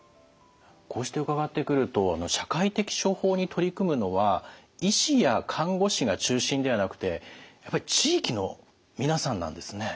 こうして伺ってくると社会的処方に取り組むのは医師や看護師が中心ではなくてやっぱり地域の皆さんなんですね。